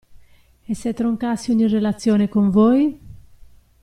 E se troncassi ogni relazione con voi?